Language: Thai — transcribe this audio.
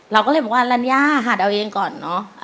เราก็เลยบอกว่ารัญญาหัดเอาเองก่อนเนอะ